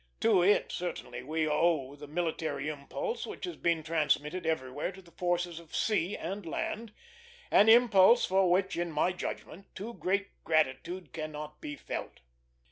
To it certainly we owe the military impulse which has been transmitted everywhere to the forces of sea and land an impulse for which, in my judgment, too great gratitude cannot be felt.